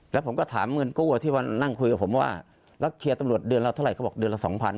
แล้วเคลียร์ตำรวจเดือนแล้วเท่าไหร่เค้าบอกเดือนแล้ว๒พัน